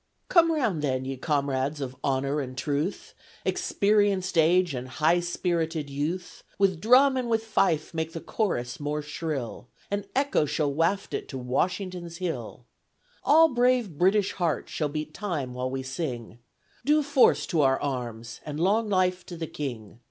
Come round then, ye Comrades of Honour and Truth, Experienc'd Age and high spirited Youth; With Drum and with Fife make the Chorus more shrill. And echo shall waft it to WASHINGTON'S Hill. All brave BRITISH Hearts shall beat Time while we sing, Due Force to our Arms, and Long Life to the King.